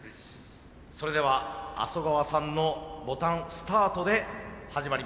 それでは麻生川さんのボタンスタートで始まります。